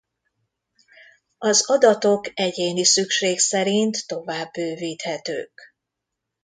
Az adatok egyéni szükség szerint tovább bővíthetők.